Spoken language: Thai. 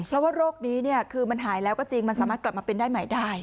เพราะว่าโรคนี้คือมันหายแล้วก็จริงมันสามารถกลับมาเป็นได้ใหม่ได้